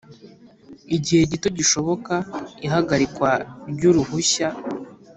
igihe gito gishoboka ihagarikwa ry uruhushya